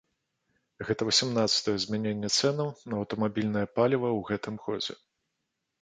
Гэта васямнаццатае змяненне цэнаў на аўтамабільнае паліва ў гэтым годзе.